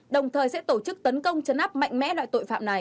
đồng thời sẽ tổ chức tấn công chấn áp mạnh mẽ loại tội phạm này